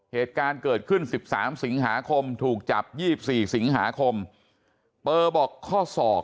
เหตุการณ์เกิดขึ้น๑๓สิงหาคมถูกจับ๒๔สิงหาคมเปอร์บอกข้อศอก